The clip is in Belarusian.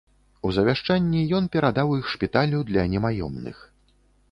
У завяшчанні ён перадаў іх шпіталю для немаёмных.